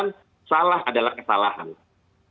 jangan salah adalah kesalahan